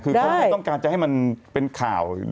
คือเขาไม่ต้องการจะให้มันเป็นข่าว